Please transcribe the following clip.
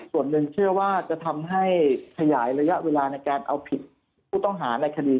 ส่วนหนึ่งเชื่อว่าจะทำให้ขยายระยะเวลาในการเอาผิดผู้ต้องหาในคดี